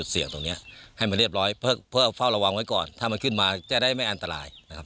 เอาไว้ก่อนถ้ามันขึ้นมาจะได้ไม่อันตรายนะครับ